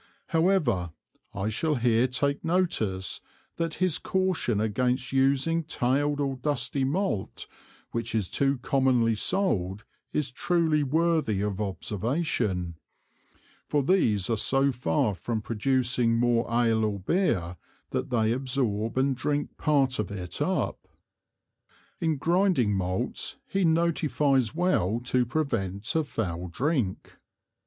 However, I shall here take notice, that his Caution against using tailed or dusty Malt, which is too commonly sold, is truly worthy of Observation; for these are so far from producing more Ale or Beer, that they absorb and drink part of it up. In Grinding Malts he notifies well to prevent a foul Drink.